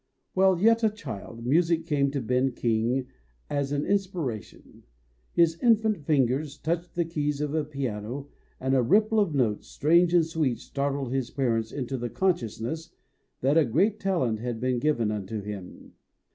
While yet a child, music came to Ben King as an inspira tion. His infant fingers touched the keys of a piano and a ripple of notes, strange and sweet, startled his parents into the consciousness that a great talent had been given unto him.